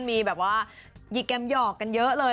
มีแบบว่ายีแกมหยอกกันเยอะเลย